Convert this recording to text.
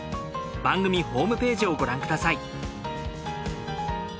番組ホームページをご覧ください。